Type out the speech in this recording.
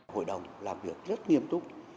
hội đồng làm việc rất nghiêm túc